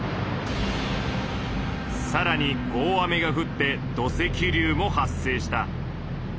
さらに大雨がふって土石流も発生した。